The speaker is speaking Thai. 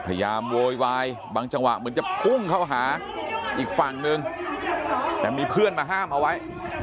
โวยวายบางจังหวะเหมือนจะพุ่งเข้าหาอีกฝั่งนึงแต่มีเพื่อนมาห้ามเอาไว้